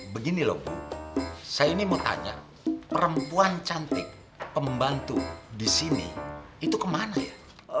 begini loh bu saya ini mau tanya perempuan cantik pembantu di sini itu kemana ya